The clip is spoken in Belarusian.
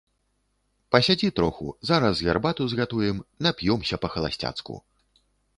Пасядзі троху, зараз гарбату згатуем, нап'ёмся па-халасцяцку.